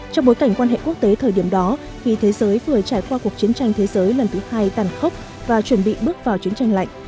trong bối cảnh quan hệ quốc tế thời điểm đó khi thế giới vừa trải qua cuộc chiến tranh thế giới lần thứ hai tàn khốc và chuẩn bị bước vào chiến tranh lạnh